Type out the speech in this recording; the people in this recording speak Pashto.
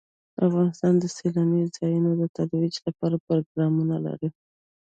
افغانستان د سیلاني ځایونو د ترویج لپاره پروګرامونه لري.